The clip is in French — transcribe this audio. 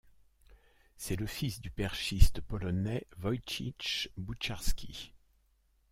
C'est le fils du perchiste polonais Wojciech Buciarski.